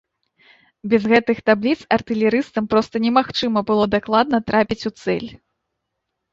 Без гэтых табліц артылерыстам проста немагчыма было дакладна трапіць у цэль.